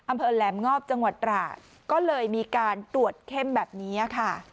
อำเภอแหลมงอบจังหวัดตราดก็เลยมีการตรวจเข้มแบบนี้ค่ะ